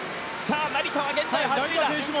成田は現在８位。